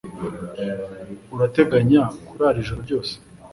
Urateganya kurara ijoro ryose?